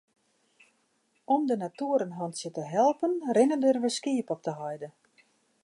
Om de natoer in hantsje te helpen rinne der wer skiep op de heide.